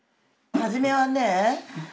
初めはね